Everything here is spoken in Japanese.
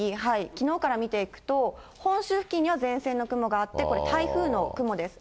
きのうから見ていくと、本州付近には前線の雲があって、これ台風の雲です。